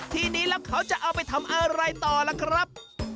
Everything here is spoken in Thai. ทีนี้แล้วเขาจะเอาไปทำอะไรต่อล่ะครับ